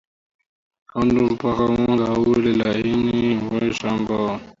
Kanda mpaka unga uwe laini usiongangania kwenye chombo